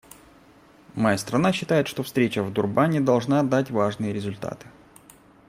Моя страна считает, что встреча в Дурбане должна дать важные результаты.